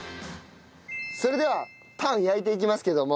それではパン焼いていきますけども。